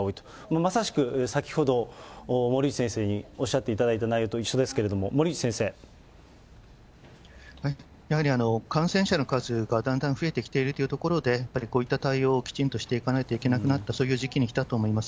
まさしく先ほど、森内先生におっしゃっていただいた内容と一緒でやはり、感染者の数がだんだん増えてきているというところで、やっぱりこういった対応をきちんとしていかなきゃいけなくなった、そういう時期にきたと思います。